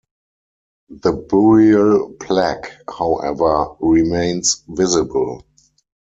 The burial plaque, however, remains visible.